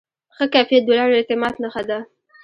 ښه کیفیت د لوړ اعتماد نښه ده.